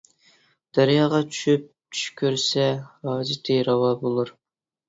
دەرياغا چۈشۈپ چۈش كۆرسە ھاجىتى راۋا بولۇر.